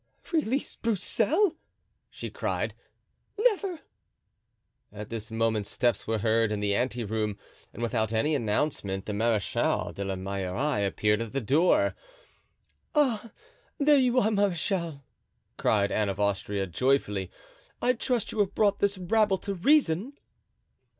"Release Broussel!" she cried, "never!" At this moment steps were heard in the ante room and without any announcement the Marechal de la Meilleraie appeared at the door. "Ah, there you are, marechal," cried Anne of Austria joyfully. "I trust you have brought this rabble to reason."